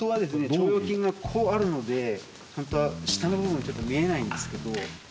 腸腰筋がこうあるので本当は下の部分見えないんですけど。